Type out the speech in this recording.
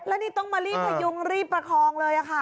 แล้วนี่ต้องมารีบพยุงรีบประคองเลยค่ะ